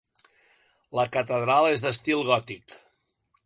La catedral és d'estil gòtic.